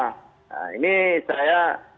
nah ini saya